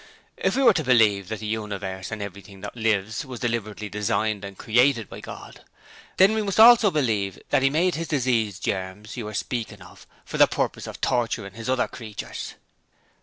'If we were to believe that the universe and everything that lives was deliberately designed and created by God, then we must also believe that He made his disease germs you are speaking of for the purpose of torturing His other creatures.'